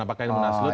apakah ini munasluk